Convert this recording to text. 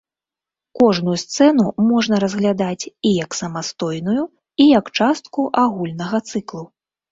Кожную сцэну можна разглядаць і як самастойную, і як частку агульнага цыклу.